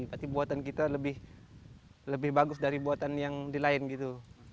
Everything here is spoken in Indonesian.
berarti buatan kita lebih bagus dari buatan yang di lain gitu